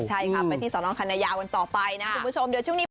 ใช่ค่ะไปที่สนคณะยาวกันต่อไปนะคุณผู้ชมเดี๋ยวช่วงนี้